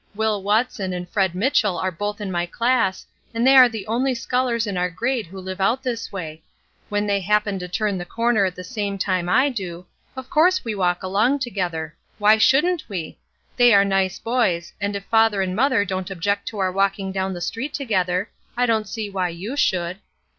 Will Watson and Fred Mitchell are both in my class, and they are the only scholars in our grade who live out this way; when they happen to turn the corner at the same time that I do, of course we walk along together. Why shouldn't we? They are mce boys, and if father and mother don't object to our walking down the street together, I don't see why you should."